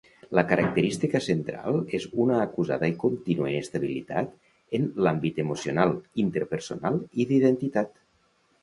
La característica central és una acusada i contínua inestabilitat en l'àmbit emocional, interpersonal i d'identitat.